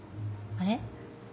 あれ？